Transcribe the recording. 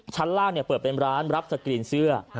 ชั้นล่างเปิดเป็นร้านรับสกรีนเสื้อ